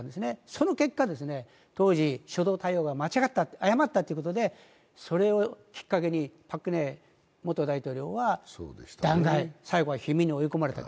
その結果、当時、初動対応が誤ったということで、それをきっかけにパク・クネ元大統領が弾劾、最後は罷免に追い込まれた。